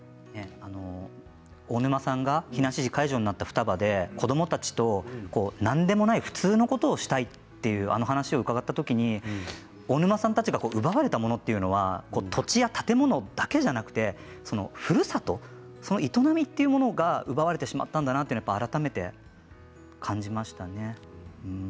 大沼さんが避難指示解除になった双葉で子どもたちと何でもない普通のことをしたいとあの話を伺ったとき大沼さんたちが奪われたものというのは土地や建物だけではなくてふるさと、営みというものが奪われてしまったんだなと改めて感じました。